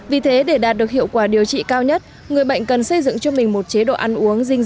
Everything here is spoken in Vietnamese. vì thế để đạt được hiệu quả điều trị cao nhất người bệnh cần xây dựng cho mình một chế độ ăn uống